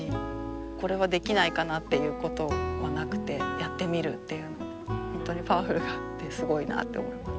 これはできないかなっていうことはなくてやってみるっていう本当にパワフルだ！ってすごいなあって思います。